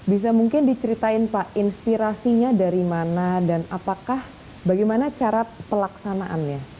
bisa mungkin diceritain pak inspirasinya dari mana dan apakah bagaimana cara pelaksanaannya